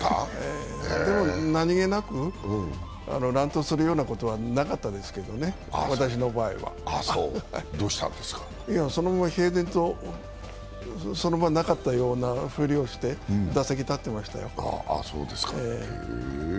でも、何気なく乱闘するようなことはなかったですけどね、私の場合はそのまま平然と、そのままなかったようなふりをして打席に立っていましたよ。